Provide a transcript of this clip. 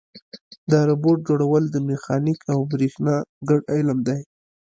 د روبوټ جوړول د میخانیک او برېښنا ګډ علم دی.